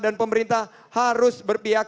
dan pemerintah harus berpihak